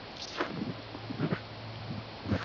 此计画在台湾亦被用在协助资赋优异的学生学习。